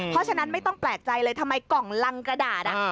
เพราะฉะนั้นไม่ต้องแปลกใจเลยทำไมกล่องลังกระดาษ